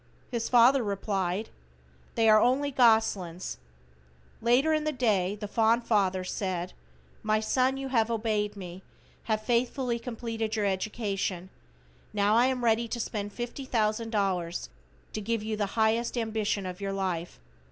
His father replied, "They are only goslins." Later in the day, the fond father said: "My son, you have obeyed me, have faithfully completed your education, now I am ready to spend $50,000 to give you the highest ambition of your life."